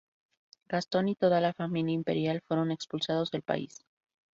Gastón y toda la familia imperial fueron expulsados del país.